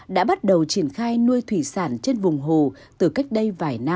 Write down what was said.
đã bắt đầu triển khai nuôi thủy